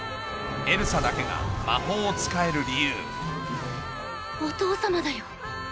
エルサだけが魔法を使える理由お父様だよ。